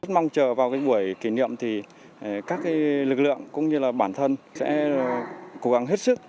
mong chờ vào buổi kỷ niệm thì các lực lượng cũng như là bản thân sẽ cố gắng hết sức